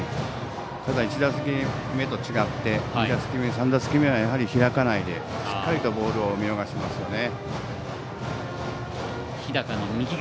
１打席目と違って２打席目、３打席目は開かないでしっかりとボールを見逃しますね。